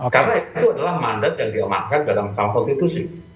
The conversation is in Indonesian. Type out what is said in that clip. karena itu adalah mandat yang diamalkan oleh mahkamah konstitusi